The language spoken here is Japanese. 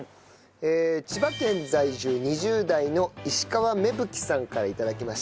千葉県在住２０代の石川芽吹さんから頂きました。